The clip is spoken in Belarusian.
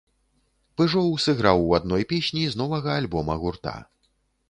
Пыжоў сыграў у адной песні з новага альбома гурта.